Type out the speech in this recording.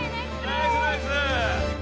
ナイスナイス！